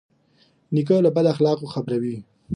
نیکه له بد اخلاقو خبروي.